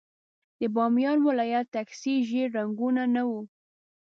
د بامیان ولايت ټکسي ژېړ رنګونه نه وو.